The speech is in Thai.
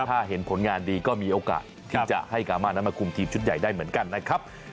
ถ้าเห็นผลงานดีก็มีโอกาสที่จะให้สามารถนั้นมาคุมทีมชุดใหญ่ได้เหมือนกันนะครับ